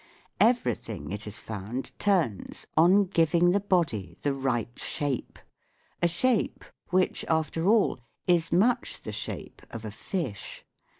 Everything, it is found, turns on giving the body the right shape a shape which, after all, is much the shape of a fish.